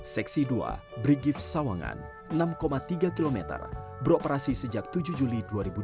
seksi dua brigif sawangan enam tiga km beroperasi sejak tujuh juli dua ribu dua puluh